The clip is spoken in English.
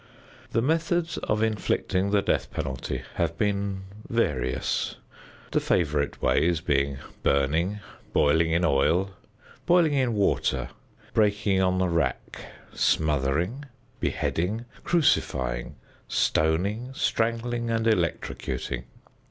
The methods of inflicting the death penalty have been various, the favorite ways being burning, boiling in oil, boiling in water, breaking on the rack, smothering, beheading, crucifying, stoning, strangling and electrocuting.